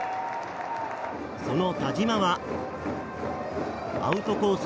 その田嶋はアウトコース